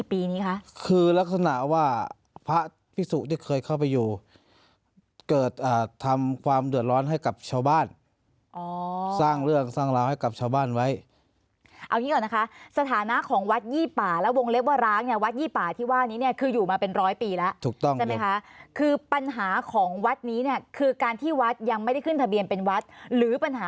ปีนี้คะคือลักษณะว่าพระพิสุที่เคยเข้าไปอยู่เกิดทำความเดือดร้อนให้กับชาวบ้านสร้างเรื่องสร้างราวให้กับชาวบ้านไว้เอางี้ก่อนนะคะสถานะของวัดยี่ป่าแล้ววงเล็บว่าร้างเนี่ยวัดยี่ป่าที่ว่านี้เนี่ยคืออยู่มาเป็นร้อยปีแล้วถูกต้องใช่ไหมคะคือปัญหาของวัดนี้เนี่ยคือการที่วัดยังไม่ได้ขึ้นทะเบียนเป็นวัดหรือปัญหา